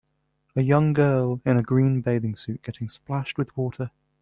A young girl in a green bathing suit getting splashed with water.